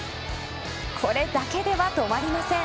これだけでは止まりません。